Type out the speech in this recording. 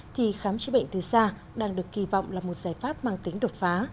thì khám chữa bệnh từ xa đang được kỳ vọng là một giải pháp mang tính đột phá